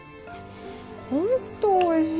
本当おいしい！